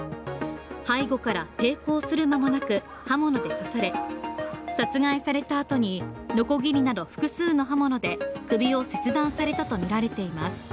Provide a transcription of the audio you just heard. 背後から抵抗する間もなく刃物で刺され殺害されたあとに、のこぎりなど複数の刃物で首を切断されたとみられています。